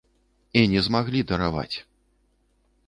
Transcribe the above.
І не змаглі дараваць.